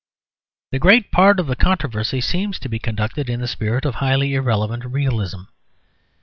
The great part of the controversy seems to be conducted in the spirit of highly irrelevant realism.